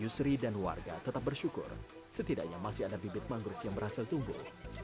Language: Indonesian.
yusri dan warga tetap bersyukur setidaknya masih ada bibit mangrove yang berhasil tumbuh